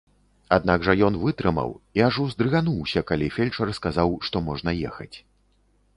Аднак жа ён вытрымаў і аж уздрыгануўся, калі фельчар сказаў, што можна ехаць.